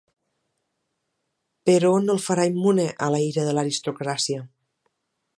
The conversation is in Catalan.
Però no el farà immune a la ira de l'aristocràcia.